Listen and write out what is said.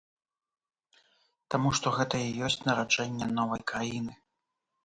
Таму што гэта і ёсць нараджэнне новай краіны.